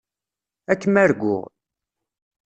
Ad kem-arguɣ.